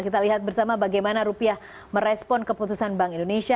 kita lihat bersama bagaimana rupiah merespon keputusan bank indonesia